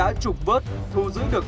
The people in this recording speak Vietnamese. và đã trục vớt thu giữ được